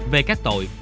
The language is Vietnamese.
về các tội